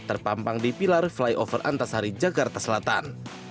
terpampang di pilar flyover antasari jakarta selatan